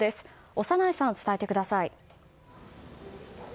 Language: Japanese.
小山内さん、伝えてください。